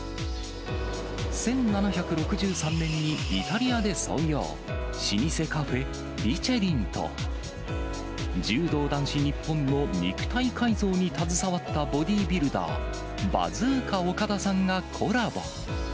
１７６３年にイタリアで創業、老舗カフェ、ビチェリンと、柔道男子日本の肉体改造に携わったボディビルダー、バズーカ岡田さんがコラボ。